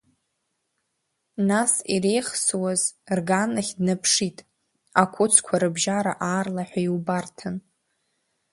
Нас иреихсуаз рганахь днаԥшит, ақәыцқәа рыбжьара аарлаҳәа иубарҭан.